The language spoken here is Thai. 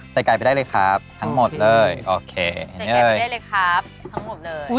ใส่ไก่ไปได้เลยครับทั้งหมดเลยโอเคใส่ไก่ไปได้เลยครับทั้งหมดเลย